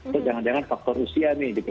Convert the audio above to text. terus jangan jangan faktor usia nih gitu